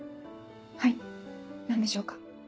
はい何でしょうか？